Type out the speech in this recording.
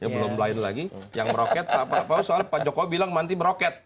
belum lain lagi yang meroket apa apa soalnya pak jokowi bilang nanti meroket